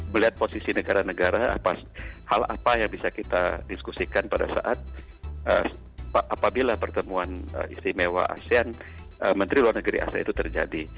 melihat posisi negara negara hal apa yang bisa kita diskusikan pada saat apabila pertemuan istimewa asean menteri luar negeri asean itu terjadi